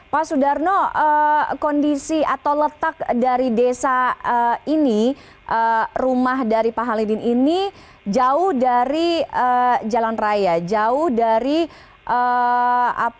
pak sudarno kondisi atau letak dari desa ini rumah dari pak halidin ini jauh dari jalan raya jauh dari apa